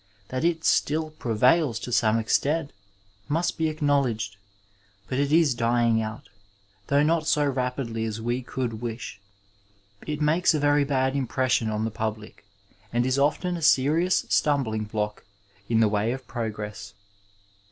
That it still prevails to some extent must be acknowledged, but it is dying out, though not so rapidly as we could wish. It makes a very bad impression on the public, and is often a serious stumbling block in the way of progress.